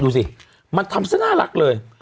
ดูสิมันทำซะน่ารักเลย